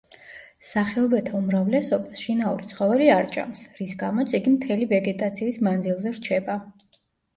სახეობათა უმრავლესობას შინაური ცხოველი არ ჭამს, რის გამოც იგი მთელი ვეგეტაციის მანძილზე რჩება.